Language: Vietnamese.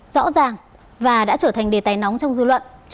rõ ràng và đã trở thành đề tài nóng trong dư luận